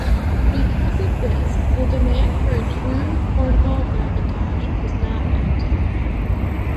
Because of this, the demand for a true portable Macintosh was not met.